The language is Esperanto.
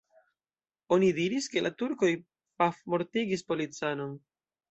Oni diris, ke la turkoj pafmortigis policanon.